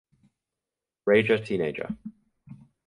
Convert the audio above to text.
Rager Teenager!